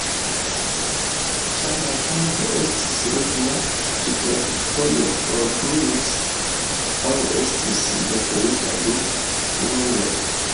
Ĉar la ponto estis ligna, ĝi kelkfoje forbrulis aŭ estis detruita dum inundoj.